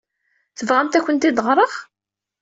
Tebɣamt ad akent-t-id ɣṛeɣ?